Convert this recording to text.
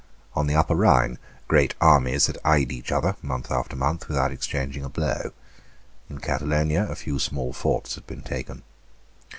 On the Upper Rhine great armies had eyed each other, month after month, without exchanging a blow. In Catalonia a few small forts had been taken.